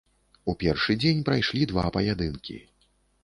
У першы дзень прайшлі два паядынкі.